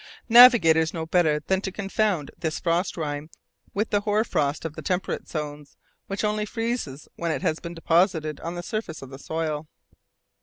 Navigators know better than to confound this frost rime with the hoar frost of the temperate zones, which only freezes when it has been deposited on the surface of the soil.